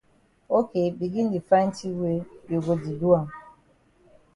Ok begin di find tin wey you go di do am.